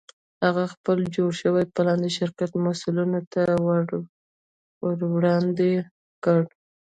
هغه خپل جوړ شوی پلان د شرکت مسوولینو ته وړاندې کړ